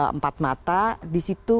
empat mata di situ